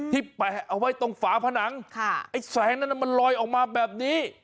แปะเอาไว้ตรงฝาผนังไอ้แสงนั้นมันลอยออกมาแบบนี้